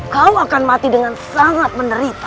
kau akan mati dengan sangat menderita